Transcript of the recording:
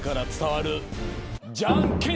じゃんけん！？